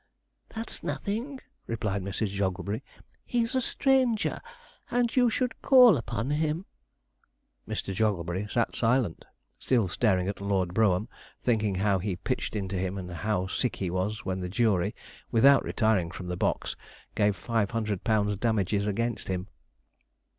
'That's nothing,' replied Mrs. Jogglebury; 'he's a stranger, and you should call upon him.' Mr. Jogglebury sat silent, still staring at Lord Brougham, thinking how he pitched into him, and how sick he was when the jury, without retiring from the box, gave five hundred pounds damages against him.